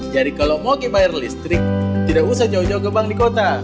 jadi kalau mau bayar listrik tidak usah jauh jauh ke bank di kota